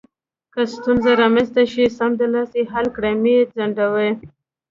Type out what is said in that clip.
که ستونزه رامنځته شي، سمدلاسه یې حل کړئ، مه یې ځنډوئ.